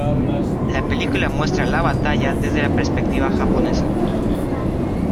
La película muestra la batalla desde la perspectiva japonesa.